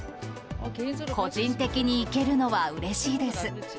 個人的に行けるのはうれしいです。